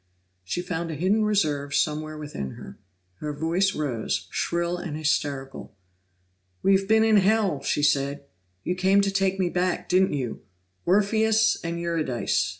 She found a hidden reserve somewhere within her. Her voice rose, shrill and hysterical. "We've been in Hell!" she said. "You came to take me back, didn't you? Orpheus and Eurydice!"